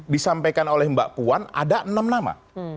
disampaikan oleh mbak puan ada enam nama